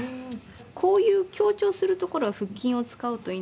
こういう強調するところは腹筋を使うといいんです。